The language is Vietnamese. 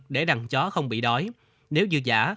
để đàn chó không bị đói nếu dự giả